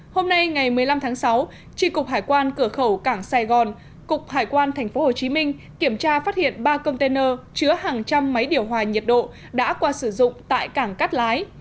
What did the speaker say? hôm nay ngày một mươi năm tháng sáu tri cục hải quan cửa khẩu cảng sài gòn cục hải quan tp hcm kiểm tra phát hiện ba container chứa hàng trăm máy điều hòa nhiệt độ đã qua sử dụng tại cảng cát lái